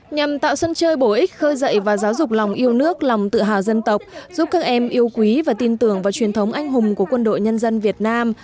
nhằm tạo sân chơi bổ ích khơi dậy và giáo dục lòng yêu nước lòng tự hào dân tộc giúp các em yêu quý và tin tưởng vào truyền thống anh hùng của quân đội nhân dân việt nam